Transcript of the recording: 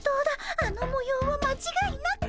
あのもようはまちがいなく。